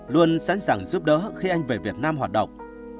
luôn sẵn sàng giúp đỡ khi anh về việt nam hoạt động